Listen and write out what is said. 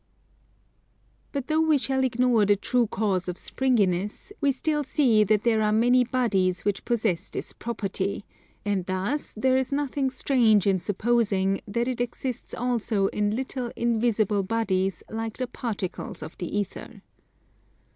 But though we shall ignore the true cause of springiness we still see that there are many bodies which possess this property; and thus there is nothing strange in supposing that it exists also in little invisible bodies like the particles of the Ether.